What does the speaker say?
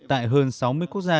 tại hơn sáu mươi quốc gia